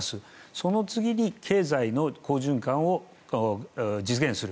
その次に経済の好循環を実現する。